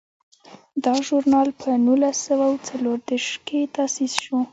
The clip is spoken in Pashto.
دا ژورنال په نولس سوه څلور دیرش کې تاسیس شو.